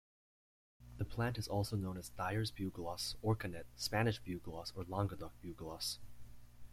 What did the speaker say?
The plant is also known as dyers' bugloss, orchanet, Spanish bugloss or Languedoc bugloss.